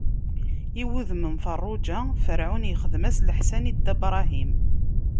I wudem n Feṛṛuǧa, Ferɛun ixdem-as leḥsan i Dda Bṛahim.